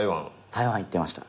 台湾行ってました。